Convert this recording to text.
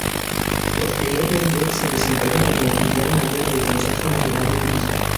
Posteriormente, se desempeña como Oficial Mayor del Consejo Nacional de Turismo.